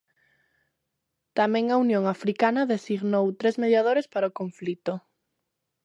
Tamén a Unión Africana designou tres mediadores para o conflito.